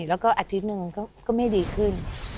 แล้วก็อาทิตย์หนึ่งก็ไม่ดีขึ้น